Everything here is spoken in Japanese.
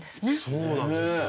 そうなんですよね。